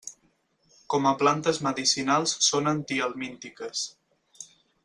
Com a plantes medicinals són antihelmíntiques.